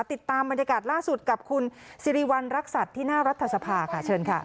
ติดตามบรรยากาศล่าสุดกับคุณสิริวัณรักษัตริย์ที่หน้ารัฐสภาค่ะเชิญค่ะ